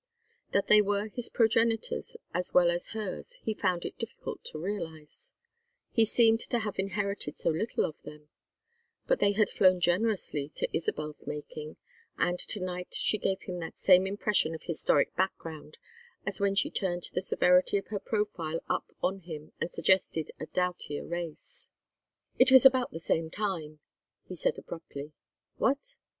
That they were his progenitors as well as hers he found it difficult to realize, he seemed to have inherited so little of them; but they had flown generously to Isabel's making, and to night she gave him that same impression of historic background as when she turned the severity of her profile up on him and suggested a doughtier race. "It was about the same time," he said, abruptly. "What?"